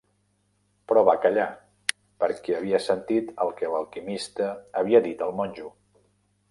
Però va callar, perquè havia sentit el que l'alquimista havia dit al monjo.